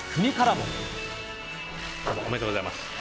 おめでとうございます。